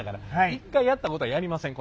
一回やったことはやりません